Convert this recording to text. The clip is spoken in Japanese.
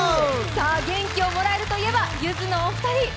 元気をもらえるといえばゆずのお二人！